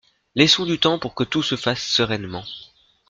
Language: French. Laissons du temps pour que tout se fasse sereinement.